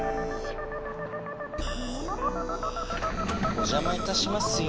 おじゃまいたしますよ。